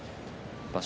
場所